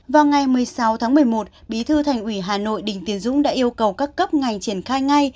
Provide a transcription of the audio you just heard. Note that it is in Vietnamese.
vào ngày một mươi sáu tháng một mươi một bí thư thành ủy hà nội đình tiến dũng đã yêu cầu các cấp ngành triển khai ngay